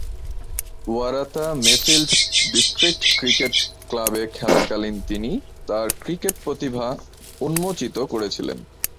Waratah-Mayfield district cricket ক্লাবে খেলাকালীন তিনি তার ক্রিকেট প্রতিভা উন্মোচিত করেছিলেন।